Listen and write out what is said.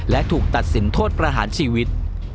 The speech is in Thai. และถูกตัดสินโทษประหารชีวิต